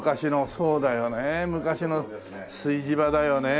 そうだよね昔の炊事場だよね。